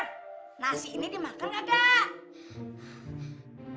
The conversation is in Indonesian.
eh jar nasi ini dimakan gak kak